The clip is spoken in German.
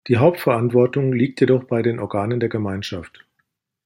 Die Hauptverantwortung liegt jedoch bei den Organen der Gemeinschaft.